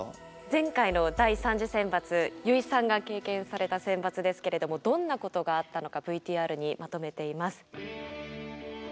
前回の第３次選抜油井さんが経験された選抜ですけれどもどんなことがあったのかＶＴＲにまとめています。